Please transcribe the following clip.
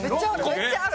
めっちゃある！